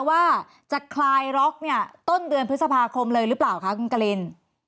ว่าจะคลายล็อกเนี่ยต้นเดือนพฤษภาคมเลยหรือเปล่าคะคุณกริน